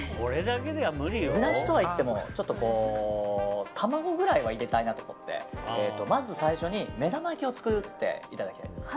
具なしとはいっても、ちょっと卵くらいは入れたいなと思ってまず、最初に目玉焼きを作っていただきたいです。